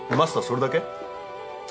それだけ？